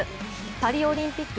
パリオリンピック